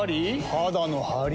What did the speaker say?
肌のハリ？